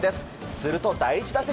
すると、第１打席。